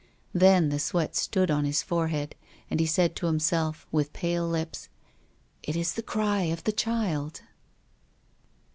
Then the sweat stood on his forehead, and he said to himself, with pale lips, " It is the cry of the child!"